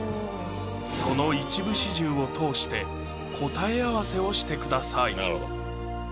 その一部始終を通して答え合わせをしてください